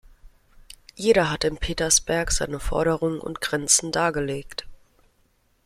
Jeder hat in Petersberg seine Forderungen und Grenzen dargelegt.